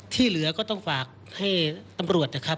ที่เหลือก็ต้องฝากให้ตำรวจนะครับ